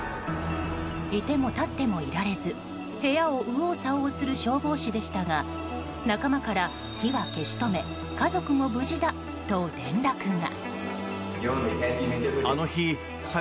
いてもたってもいられず部屋を右往左往する消防士でしたが仲間から、火は消し止め家族も無事だと連絡が。